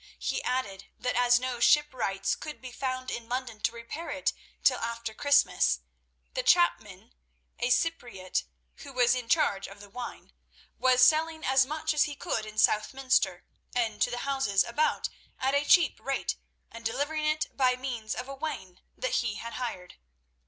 He added that as no shipwrights could be found in London to repair it till after Christmas, the chapman, a Cypriote, who was in charge of the wine, was selling as much as he could in Southminster and to the houses about at a cheap rate, and delivering it by means of a wain that he had hired.